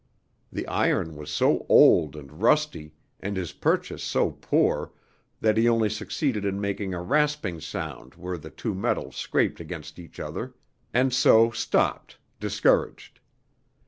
The iron was so old and rusty, and his purchase so poor, that he only succeeded in making a rasping sound where the two metals scraped against each other, and so stopped, discouraged.